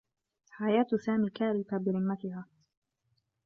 حياة سامي كارثة برمّتها.